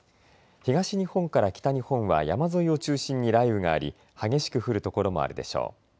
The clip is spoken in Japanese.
東日本から北日本は山沿いを中心に雷雨があり激しく降る所もあるでしょう。